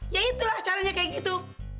ya itulah caranya kayak gitu